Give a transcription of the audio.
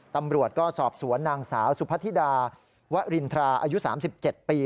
ตำรวจก็สอบสวนนางสาวสุพธิดาวรินทราอายุ๓๗ปี